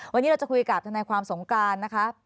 วันนี้เราจะคุยกับทนายความสงกรานนะคะ